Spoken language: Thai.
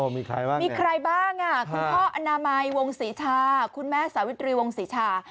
มีใครบ้างมีใครบ้างคุณพ่ออนามัยวงศรีชาคุณแม่สาวิตรีวงศรีชา